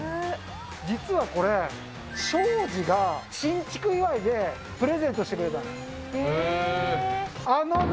実はこれ、庄司が新築祝いでプレゼントしてくれたの。